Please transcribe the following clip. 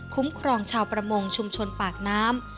ครองชาวประมงชุมชนปากน้ำ